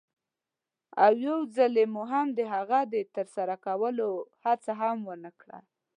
او یوځلې مو هم د هغه د ترسره کولو هڅه هم ونه کړه.